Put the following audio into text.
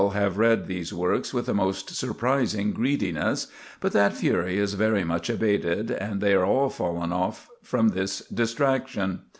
have read these works with a most surprising greediness; but that fury is very much abated, and they are all fallen off from this distraction.